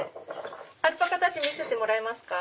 アルパカたち見せてもらえますか。